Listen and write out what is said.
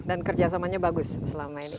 dan kerjasamanya bagus selama ini